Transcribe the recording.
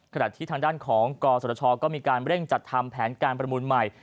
ขณะที่ทางด้านของกศชก็มีการเร่งจัดทำแผนการประมูลใหม่